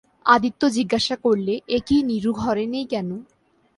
আদিত্য জিজ্ঞাসা করলে, এ কী, নীরু ঘরে নেই কেন।